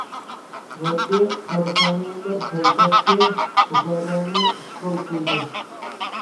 غەربىي قاراخانىيلار پايتەختى بۇخارانى ئىشغال قىلدى.